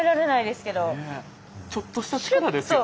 ちょっとした力ですよね。